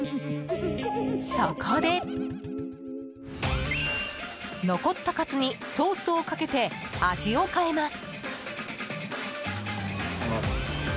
そこで、残ったかつにソースをかけて味を変えます。